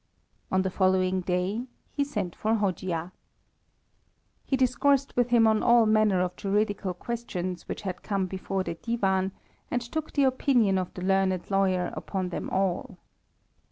On the following day he sent for Hojia. He discoursed with him on all manner of juridical questions which had come before the Divan, and took the opinion of the learned lawyer upon them all.